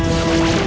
aku akan menang